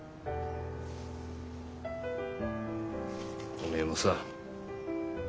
おめえもさ